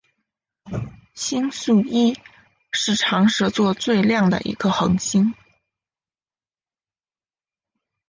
星宿一是长蛇座最亮的一颗恒星。